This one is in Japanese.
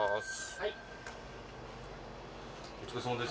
はいお疲れさまです